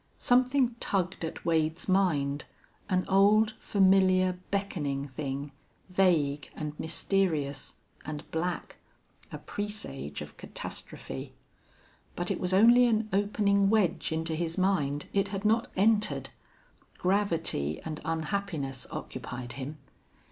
Something tugged at Wade's mind, an old, familiar, beckoning thing, vague and mysterious and black, a presage of catastrophe. But it was only an opening wedge into his mind. It had not entered. Gravity and unhappiness occupied him.